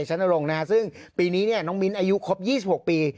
ชันตรงนะฮะซึ่งปีนี้เนี้ยน้องมิ้นอายุครบยี่สิบหกปี